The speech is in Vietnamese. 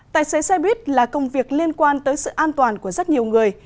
tài xế xe buýt là công việc liên quan tới sự an toàn của rất nhiều người